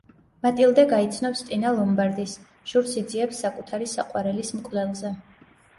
მატილდე გაიცნობს ტინა ლომბარდის შურს იძიებს საკუთარი საყვარელის მკვლელზე.